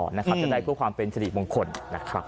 จะได้ความเป็นศรีมงคลนะครับ